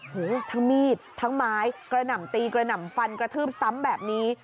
ทั้งมีดทั้งไม้กระหน่ำตีกระหน่ำฟันกระทืบซ้ำแบบนี้